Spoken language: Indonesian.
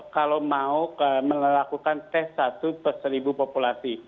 kalau mau melakukan tes satu per seribu populasi